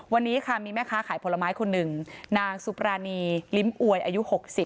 วันนี้ค่ะมีแม่ค้าขายผลไม้คนหนึ่งนางสุปรานีลิ้มอวยอายุ๖๐